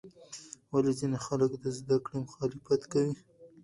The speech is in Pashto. ولې ځینې خلک د زده کړې مخالفت کوي؟